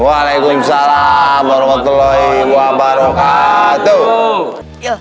waalaikumsalam warahmatullahi wabarakatuh